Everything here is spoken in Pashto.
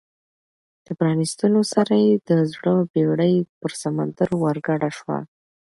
د پرانیستلو سره یې د زړه بېړۍ پر سمندر ورګډه شوه.